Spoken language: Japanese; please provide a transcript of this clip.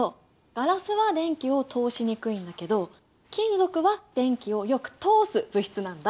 ガラスは電気を通しにくいんだけど金属は電気をよく通す物質なんだ。